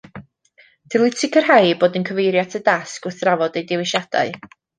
Dylid sicrhau eu bod yn cyfeirio at y dasg wrth drafod eu dewisiadau